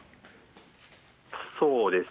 そうですね。